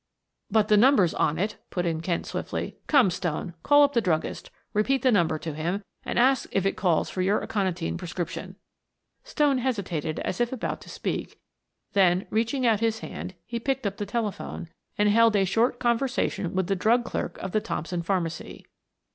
"But the number's on it," put in Kent swiftly. "Come, Stone, call up the druggist, repeat the number to him, and ask if it calls for your aconitine prescription." Stone hesitated as if about to speak, then, reaching out his hand, he picked up the telephone and held a short conversation with the drug clerk of the Thompson Pharmacy.